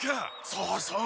そうそう。